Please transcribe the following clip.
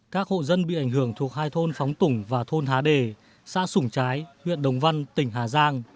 các hộ dân bị ảnh hưởng thuộc hai thôn phóng tủng và thôn há đề xã sủng trái huyện đồng văn tỉnh hà giang